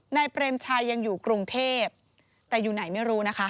เปรมชัยยังอยู่กรุงเทพแต่อยู่ไหนไม่รู้นะคะ